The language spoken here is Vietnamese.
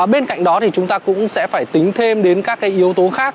bên cạnh đó thì chúng ta cũng sẽ phải tính thêm đến các cái yếu tố khác